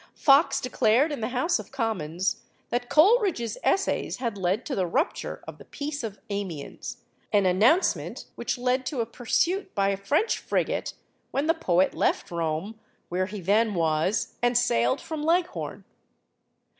Fox declared in the House of Commons that Coleridge's essays had led to the rupture of the peace of Amiens, an announcement which led to a pursuit by a French frigate, when the poet left Rome, where he then was, and sailed from Leghorn.